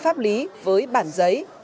pháp lý với bản giấy